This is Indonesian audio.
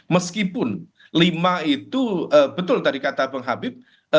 meskipun lima itu betul tadi kata bang habib